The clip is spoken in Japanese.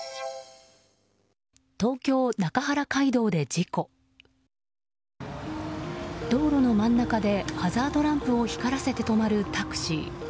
道路の真ん中でハザードランプを光らせて止まるタクシー。